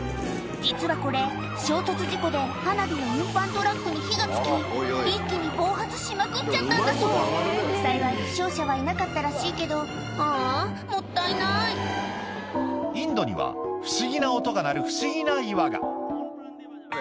実はこれ衝突事故で花火の運搬トラックに火が付き一気に暴発しまくっちゃったんだそう幸い負傷者はいなかったらしいけどああもったいないインドには不思議な音が鳴る不思議な岩が